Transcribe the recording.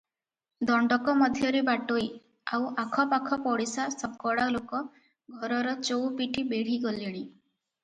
ଦଣ୍ଡକ ମଧ୍ୟରେ ବାଟୋଇ, ଆଉ ଆଖ ପାଖ ପଡ଼ିଶା ଶକଡ଼ା ଲୋକ ଘରର ଚଉପିଠି ବେଢ଼ି ଗଲେଣି ।